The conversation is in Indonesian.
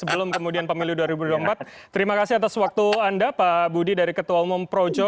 sebelum kemudian pemilu dua ribu dua puluh empat terima kasih atas waktu anda pak budi dari ketua umum projo